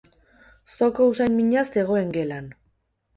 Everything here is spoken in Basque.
Zoko usain mina zegoen gelan.